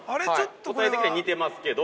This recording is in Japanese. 答え的には似てますけど。